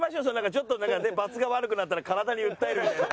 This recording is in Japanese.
ちょっとばつが悪くなったら体に訴えるみたいな。